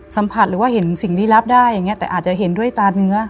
สัมผัสหรือว่าเห็นสิ่งลี้ลับได้อย่างนี้แต่อาจจะเห็นด้วยตาเนื้อ